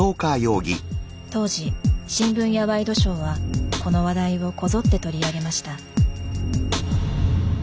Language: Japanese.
当時新聞やワイドショーはこの話題をこぞって取り上げました。